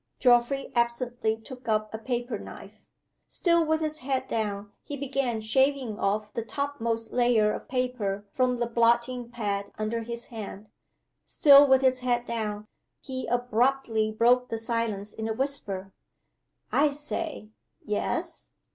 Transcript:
Geoffrey absently took up a paper knife. Still with his head down, he began shaving off the topmost layer of paper from the blotting pad under his hand. Still with his head down, he abruptly broke the silence in a whisper. "I say!" "Yes?"